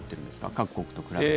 各国と比べて。